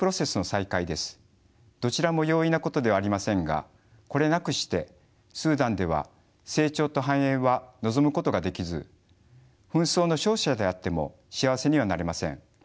どちらも容易なことではありませんがこれなくしてスーダンでは成長と繁栄は望むことができず紛争の勝者であっても幸せにはなれません。